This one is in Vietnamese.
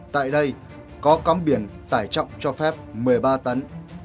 tại đây có cắm biển tải trọng cho phép một mươi ba tấn